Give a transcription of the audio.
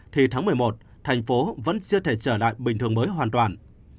thì tháng một mươi một thành phố vẫn chưa thể trở lại bình thường mới hoàn toàn